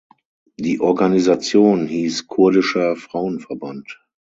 Die Organisation hieß Kurdischer Frauenverband.